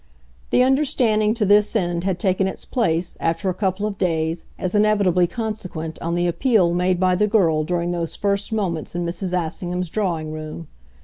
The understanding to this end had taken its place, after a couple of days, as inevitably consequent on the appeal made by the girl during those first moments in Mrs. Assingham's drawing room.